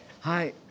はい。